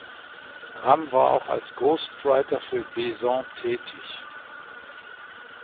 Ram war auch als Ghostwriter für Besant tätig.